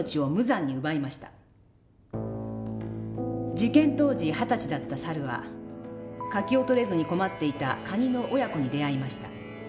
事件当時二十歳だった猿は柿を取れずに困っていたカニの親子に出会いました。